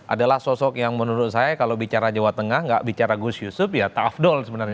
adalah sosok yang menurut saya kalau bicara jawa tengah nggak bicara gus yusuf ya taafdol sebenarnya